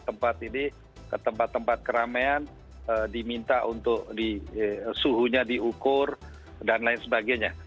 tempat ini ke tempat tempat keramaian diminta untuk suhunya diukur dan lain sebagainya